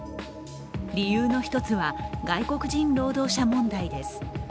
理由の一つは外国人労働者問題です。